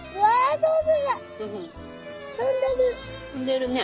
飛んでるね。